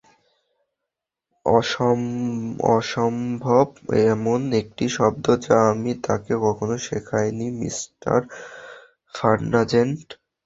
অসম্ভব এমন একটি শব্দ যা আমি তাকে কখনো শেখাইনি মিস্টার ফার্নান্ডেজ।